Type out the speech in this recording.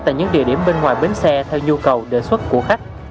tại những địa điểm bên ngoài bến xe theo nhu cầu đề xuất của khách